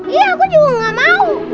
iya aku juga gak mau